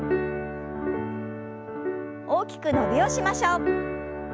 大きく伸びをしましょう。